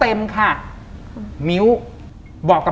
ทำไมเขาถึงจะมาอยู่ที่นั่น